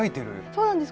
そうなんです。